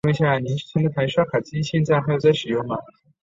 汉口俄租界近代中国两个在华俄租界之一。